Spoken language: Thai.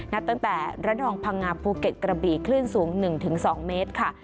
ตั้งแต่ระนองพังงาภูเก็ตกระบี่คลื่นสูง๑๒เมตรค่ะ